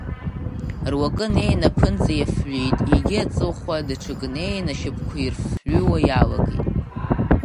Руакы неины аԥынҵа иафҩит, егьи аҵыхәа, даҽакы неин ашьапқәа ирфҩуа иалагеит.